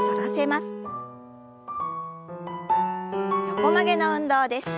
横曲げの運動です。